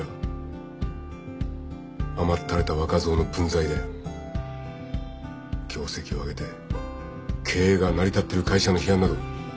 甘ったれた若造の分際で業績を挙げて経営が成り立ってる会社の批判など１００年早い。